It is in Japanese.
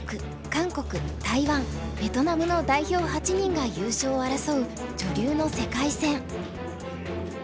韓国台湾ベトナムの代表８人が優勝を争う女流の世界戦。